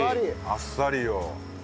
あっさりよ。